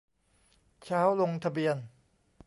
เช้าลงทะเบียน